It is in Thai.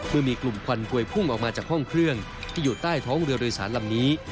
เมื่อมีกลุ่มควันกวยพุ่งออกมาจากห้องเครื่องที่อยู่ใต้ท้องเรือโดยสารลำนี้